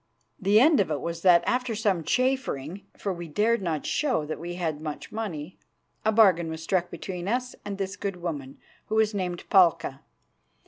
The end of it was that after some chaffering, for we dared not show that we had much money, a bargain was struck between us and this good woman, who was named Palka.